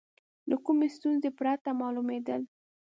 له کومې ستونزې پرته معلومېدل.